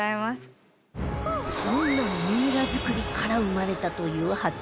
そんなミイラ作りから生まれたという発明品